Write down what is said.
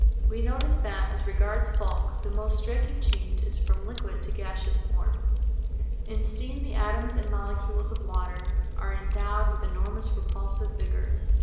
We notice that, as regards bulk, the most striking change is from liquid to gaseous form. In steam the atoms and molecules of water are endowed with enormous repulsive vigour.